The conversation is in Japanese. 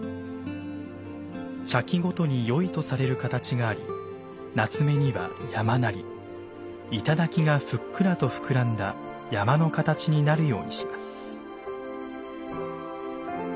茶器ごとに良いとされる形があり棗には山なり頂がふっくらと膨らんだ山の形になるようにします。